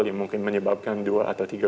yang mungkin menyebabkan dua atau tiga